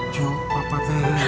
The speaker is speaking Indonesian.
cu papa teh